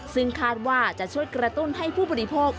ซึ่งคาดว่าจะช่วยกระตุ้นให้ผู้บริโภค